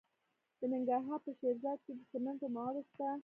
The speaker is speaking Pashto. د ننګرهار په شیرزاد کې د سمنټو مواد شته.